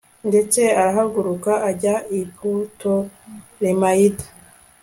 ndetse arahaguruka ajya i putolemayida